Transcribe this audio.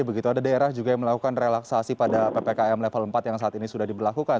begitu ada daerah juga yang melakukan relaksasi pada ppkm level empat yang saat ini sudah diberlakukan